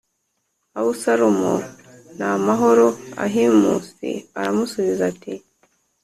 Abusalomu ni amahoro Ahimusi aramusubiza ati